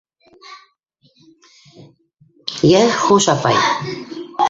- Йә, хуш, апай!